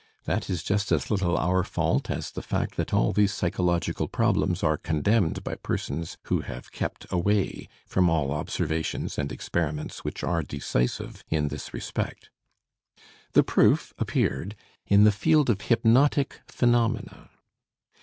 That is just as little our fault as the fact that all these psychological problems are condemned by persons who have kept away from all observations and experiments which are decisive in this respect. The proof appeared in the field of hypnotic phenomena.